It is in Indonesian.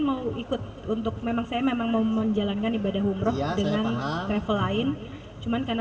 mau ikut untuk memang saya memang mau menjalankan ibadah umroh dengan travel lain cuman karena